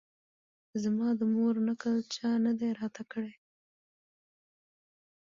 زما د مور نکل چا نه دی راته کړی